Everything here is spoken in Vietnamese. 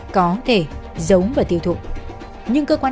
có thể giống và tiêu thụ nhưng cơ quan